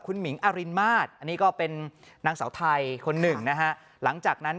คุณหมิงอรินมาสอันนี้ก็เป็นนางสาวไทยคนหนึ่งนะฮะหลังจากนั้น